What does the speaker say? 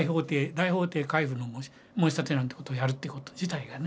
大法廷回付の申立なんてことをやるってこと自体がね。